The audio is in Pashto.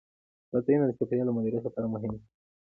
دا ځایونه د چاپیریال د مدیریت لپاره مهم دي.